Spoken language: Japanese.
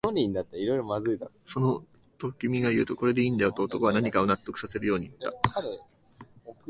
その、と君が言うと、これでいいんだよ、と男は何かを納得させるように言った